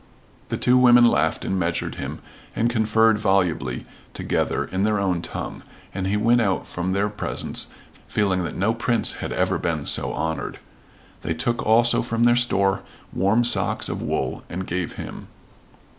The two women laughed and measured him, and conferred volubly together in their own tongue, and he went out from their presence feeling that no prince had ever been so honored. They took also from their store warm socks of wool and gave him.